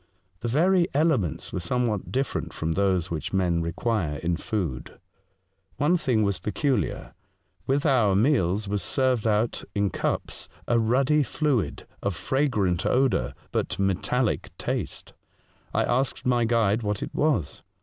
The very elements were somewhat different from those which men require in food. One thing was peculiar. With the meals was served out in cups a ruddy fluid of fragrant odour but metallic taste. I asked my guide what it was.